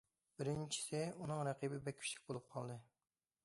بىرىنچىسى، ئۇنىڭ رەقىبى بەك كۈچلۈك بولۇپ قالدى.